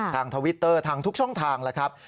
ทวิตเตอร์ทางทุกช่องทางแล้วครับ